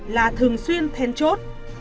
là thường xuyên then chốt